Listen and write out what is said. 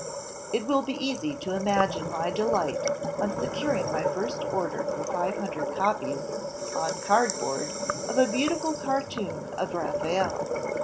"It will be easy to imagine my delight on securing my first order for five hundred copies, on ... cardboard, of a beautiful cartoon of Raphael.